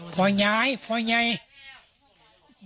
ตายอะไรนะ